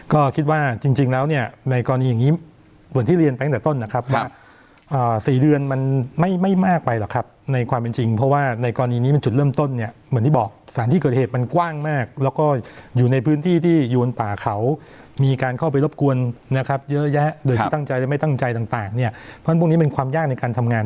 ก็คิดว่าจริงแล้วเนี่ยในกรณีอย่างนี้เหมือนที่เรียนไปตั้งแต่ต้นนะครับว่า๔เดือนมันไม่มากไปหรอกครับในความเป็นจริงเพราะว่าในกรณีนี้มันจุดเริ่มต้นเนี่ยเหมือนที่บอกสถานที่เกิดเหตุมันกว้างมากแล้วก็อยู่ในพื้นที่ที่อยู่บนป่าเขามีการเข้าไปรบกวนนะครับเยอะแยะโดยที่ตั้งใจจะไม่ตั้งใจต่างเนี่ยเพราะพวกนี้เป็นความยากในการทำงาน